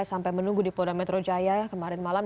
sampai menunggu di pondometro jaya kemarin malam